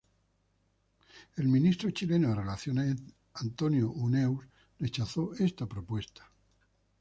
El ministro chileno de relaciones Antonio Huneeus, rechazó esta propuesta.